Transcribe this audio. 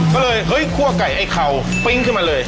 ก็เลยเฮ้ยคั่วไก่ไอ้เข่าปิ้งขึ้นมาเลย